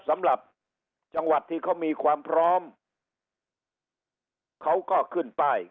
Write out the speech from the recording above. สำหรับจังหวัดที่เขามีความพร้อมเขาก็ขึ้นป้าย